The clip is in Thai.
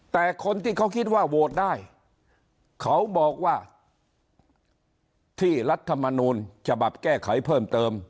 แต่คนที่เขาคิดว่าโหวตได้เขาบอกว่าที่รัฐมนูลฉบับแก้ไขเพิ่มเติม